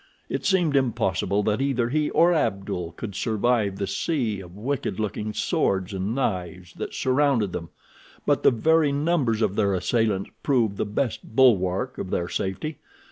It seemed impossible that either he or Abdul could survive the sea of wicked looking swords and knives that surrounded them, but the very numbers of their assailants proved the best bulwark of their safety.